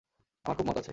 আমার খুব মত আছে।